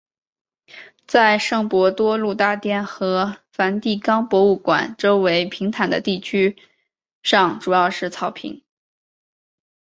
在圣伯多禄大殿和梵蒂冈博物馆周围平坦的地区上主要是草坪。